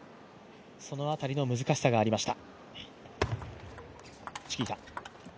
その辺り難しさがありました。